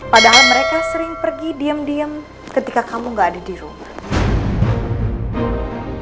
padahal mereka sering pergi diam diam ketika kamu gak ada di rumah